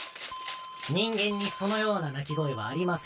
人間にそのような鳴き声はありません。